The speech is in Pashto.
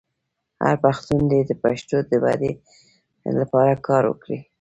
هر پښتون دې د پښتو د ودې لپاره کار وکړي.